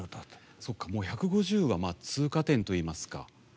そっか、１５０は通過点といいますか。